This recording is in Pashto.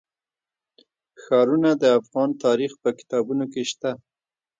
ښارونه د افغان تاریخ په کتابونو کې شته.